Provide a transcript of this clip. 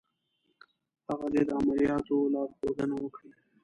هغه دې د عملیاتو لارښودنه وکړي.